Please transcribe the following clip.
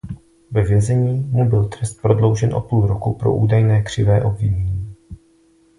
Ve vězení mu byl trest prodloužen o půl roku pro údajné křivé obvinění.